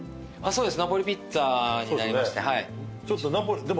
そうです。